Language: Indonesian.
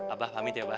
abah pamit ya abah